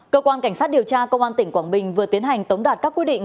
cơ quan cảnh sát điều tra công an tỉnh quảng bình vừa tiến hành tống đạt các quyết định